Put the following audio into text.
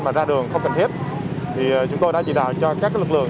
mà ra đường không cần thiết chúng tôi đã chỉ đào cho các lực lượng